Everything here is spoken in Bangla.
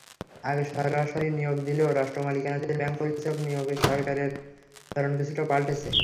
আগে সরাসরি নিয়োগ দিলেও রাষ্ট্রমালিকানাধীন ব্যাংকে পরিচালক নিয়োগে সরকারের ধরন কিছুটা পাল্টেছে।